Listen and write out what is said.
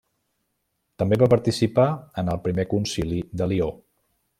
També va participar en el Primer Concili de Lió.